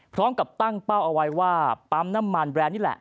พร้อมกับตั้งเป้าเอาไว้ว่าปั๊มน้ำมันแบรนด์นี่แหละ